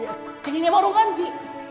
ya kayaknya mau nunggu nanti